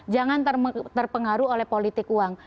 jangan terpengaruh oleh politik uang